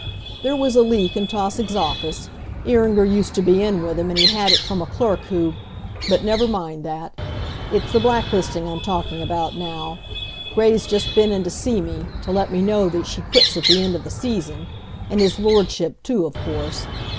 "There was a leak in Tausig's office. Iringer used to be in with them, and he had it from a clerk who but never mind that. It's the blacklisting I'm talking about now. Gray's just been in to see me, to let me know that she quits at the end of the season. And his Lordship, too, of course.